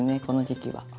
この時期は。